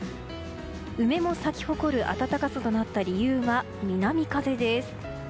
梅も咲き誇る暖かさとなった理由は南風です。